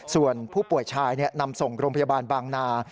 ส่วนผู้ป่วยชายนำส่งโรงพยาบาลบางนา